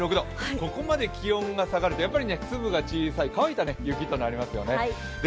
ここまで気温が下がるとやっぱり粒が小さい乾いた雪になりますよね。